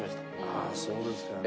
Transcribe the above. ああそうですか。